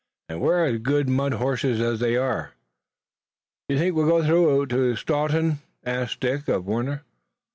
We're as good mud horses as they are." "Do you think we'll go through to Staunton?" asked Dick of Warner.